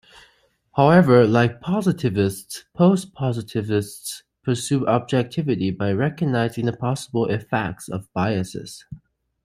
However, like positivists, postpositivists pursue objectivity by recognizing the possible effects of biases.